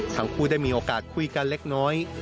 ทั้งคู่ได้มีโอกาสคุยกันเล็กน้อย